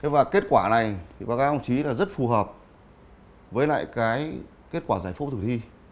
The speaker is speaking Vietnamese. và kết quả này bác giáo đồng chí rất phù hợp với kết quả giải phóng tử thi